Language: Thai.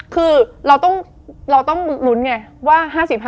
คือเราต้องลุ้นไงว่า